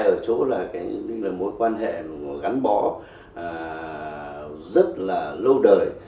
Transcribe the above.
rõ ràng là chúng ta thấy được vĩ đại ở chỗ là mối quan hệ gắn bó rất là lâu đời